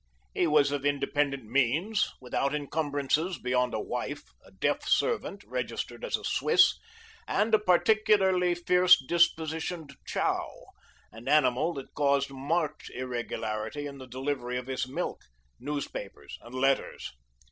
He was of independent means, without encumbrances beyond a wife, a deaf servant, registered as a Swiss, and a particularly fierce dispositioned chow, an animal that caused marked irregularity in the delivery of his milk, newspapers and letters.